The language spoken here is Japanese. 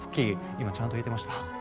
今ちゃんと言えてました？